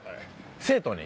生徒に？